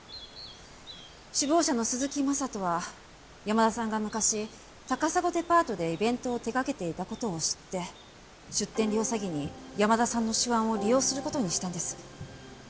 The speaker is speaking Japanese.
首謀者の鈴木昌人は山田さんが昔高砂デパートでイベントを手掛けていた事を知って出店料詐欺に山田さんの手腕を利用する事にしたんです。